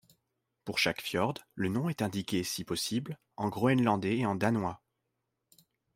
Pour chaque fjord, le nom est indiqué, si possible, en groenlandais et en danois.